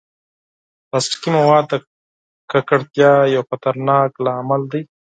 پلاستيکي مواد د ککړتیا یو خطرناک لامل دي.